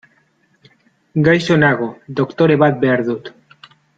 Gaixo nago, doktore bat behar dut.